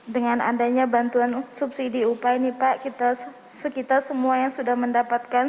dengan adanya bantuan subsidi upah ini pak sekitar semua yang sudah mendapatkan